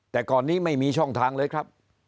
แต่ก่อนนี้ไม่มีช่องทางเลยครับ